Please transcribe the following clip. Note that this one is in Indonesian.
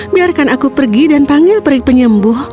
biarkan aku pergi dan panggil peri penyembuh